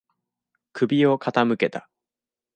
首を傾けた。